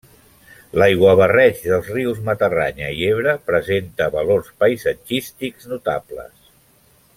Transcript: L'aiguabarreig dels rius Matarranya i Ebre presenta valors paisatgístics notables.